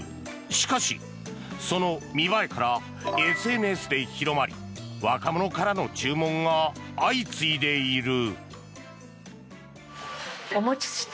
しかし、その見栄えからＳＮＳで広まり若者からの注文が相次いでいる。